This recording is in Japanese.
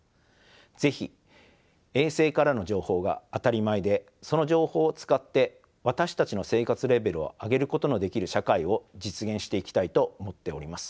是非衛星からの情報が当たり前でその情報を使って私たちの生活レベルを上げることのできる社会を実現していきたいと思っております。